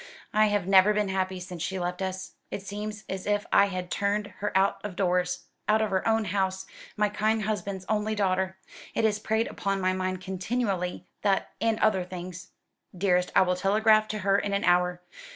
"I have never been happy since she left us. It seems as if I had turned her out of doors out of her own house my kind husband's only daughter. It has preyed upon my mind continually, that and other things." "Dearest, I will telegraph to her in an hour.